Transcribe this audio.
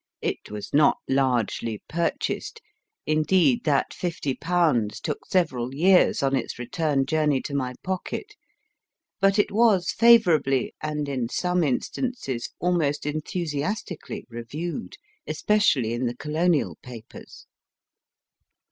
It was not largely purchased indeed, that fifty pounds took se veral years on its re turn journey to my pocket, but it was favourably, and in some instances almost enthusiastically, re viewed, especially in the colonial papers.